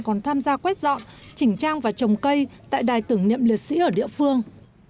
còn tham gia quét dọn chỉnh trang và trồng cây tại đài tưởng niệm liệt sĩ ở địa phương